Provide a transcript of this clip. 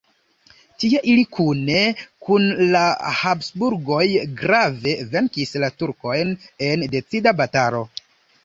Tie ili kune kun la Habsburgoj grave venkis la turkojn en decida batalo.